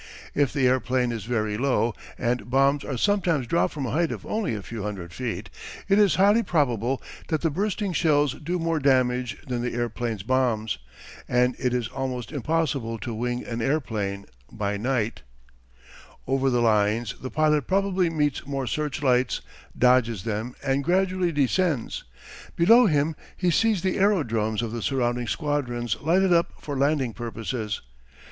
If the airplane is very low, and bombs are sometimes dropped from a height of only a few hundred feet, it is highly probable that the bursting shells do more damage than the airplane's bombs, and it is almost impossible to wing an airplane by night. [Illustration: Photo by Press Illustrating Service. A French Scout Airplane.] Over the lines the pilot probably meets more searchlights, dodges them, and gradually descends. Below him he sees the aerodromes of the surrounding squadrons lighted up for landing purposes.